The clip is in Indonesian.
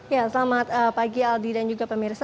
ya selamat pagi aldi dan juga pemirsa